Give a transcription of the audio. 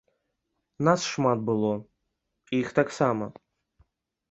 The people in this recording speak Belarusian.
Нас шмат было, іх таксама.